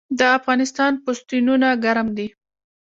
د افغانستان پوستینونه ګرم دي